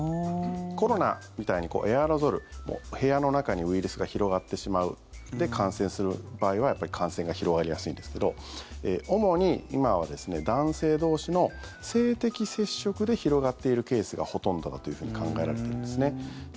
コロナみたいにエアロゾル部屋の中にウイルスが広がってしまうで、感染する場合はやっぱり感染が広がりやすいんですけど主に今は男性同士の性的接触で広がっているケースがほとんどだというふうに考えられているんですね。